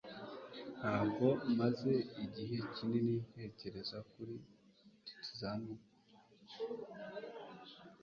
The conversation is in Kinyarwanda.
Ntabwo maze igihe kinini ntekereza kuri akimana.